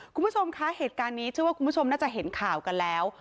คุณผู้ชมคะเหตุการณ์นี้เชื่อว่าคุณผู้ชมน่าจะเห็นข่าวกันแล้ว